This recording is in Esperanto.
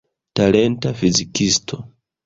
Talenta fizikisto.